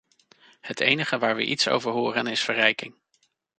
Het enige waar we iets over horen is verrijking.